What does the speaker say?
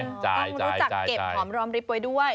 ต้องรู้จักเก็บหอมรอมริบไว้ด้วย